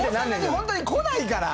本当に来ないから。